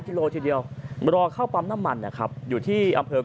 กิโลทีเดียวเดี๋ยวเข้าปั๊มน้ำมันอยู่ที่อำเผอก่อ